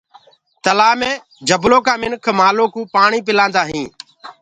تلآه مي جبلو ڪآ مِنک مآلو ڪوُ پآڻي پِلآندآ هينٚ۔